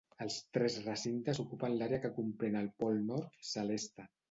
Els tres recintes ocupen l'àrea que compren el Pol nord celeste.